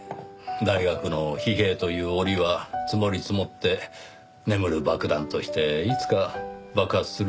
大学の疲弊という澱は積もり積もって眠る爆弾としていつか爆発するのかもしれません。